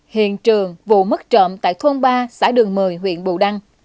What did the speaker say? hiện trường vụ mất trộm tại thôn ba xã đường một mươi huyện bù đăng